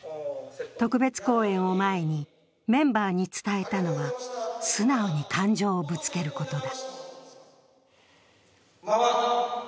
特別公演を前にメンバーに伝えたのは、素直に感情をぶつけることだ。